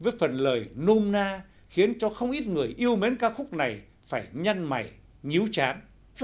có một phần hữu dụng mới để quảng cáo cho công ty điện máy với phần lời n canada khiến cho không ít người yêu mến ca khúc này phải nhăn mẩy nhiếu chán